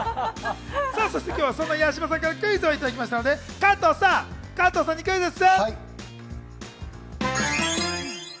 そして今日はそんな八嶋さんからクイズをいただきましたので、加藤さんにクイズッス。